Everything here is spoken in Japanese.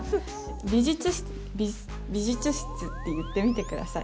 美術室、美術室って言ってみてください。